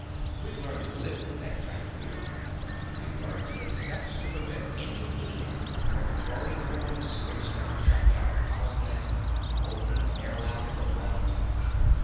We've learned to live with that kind of fear; we've learned to take steps to prevent any idiot from throwing the wrong switch that would shut down a power plant or open an air lock at the wrong time.